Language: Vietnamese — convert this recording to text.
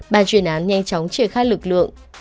bàn chuyên án nhanh chóng triển khai lực lượng